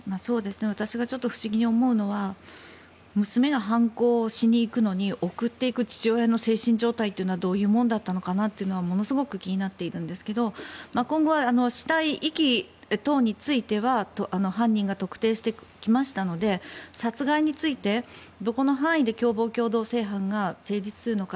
私が不思議に思うのは娘が犯行しに行くのに送っていく父親の精神状態というのはどういうものだったのかなというのは、ものすごく気になっているんですが今後は死体遺棄等については犯人が特定してきましたので殺害についてどこの範囲で共謀共同正犯が成立するのか。